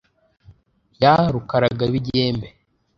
Ya Rukaragabigembe;